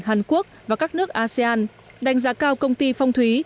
hàn quốc và các nước asean đánh giá cao công ty phong thúy